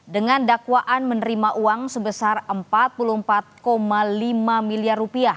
dengan dakwaan menerima uang sebesar rp empat puluh empat lima miliar